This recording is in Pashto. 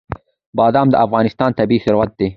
بادام د افغانستان طبعي ثروت دی.